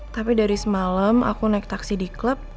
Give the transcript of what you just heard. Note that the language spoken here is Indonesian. tapi dari semalam aku naik taksi di klub